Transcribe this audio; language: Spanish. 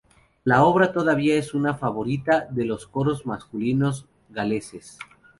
La obra todavía es una favorita de los coros masculinos galeses.